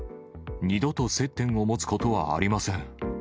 二度と接点を持つことはありません。